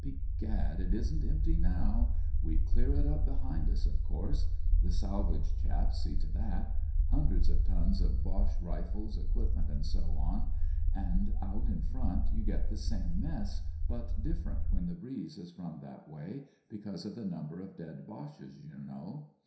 Begad I it isn't empty now. We dear it up behind us, of course ; the salvage chaps see to that ; hundreds of tons of Boche rifles, equipment, and so on. And out in front you get the same mess, but different when the breeze is from that way, because of the number of dead Boches, you know.